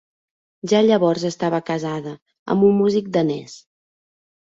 Ja llavors estava casada, amb un músic danès.